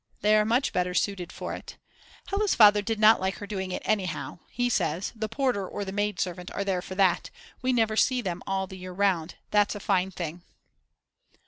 They are much better suited for it. Hella's father did not like her doing it anyhow; he says: The porter or the maidservant are there for that we never see them all the year round, that's a fine thing.